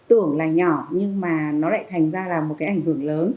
tưởng là nhỏ nhưng mà nó lại thành ra là một cái ảnh hưởng lớn